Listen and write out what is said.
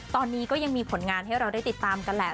ตอนนี้ก็ยังมีผลงานให้เราได้ติดตามกันแหละ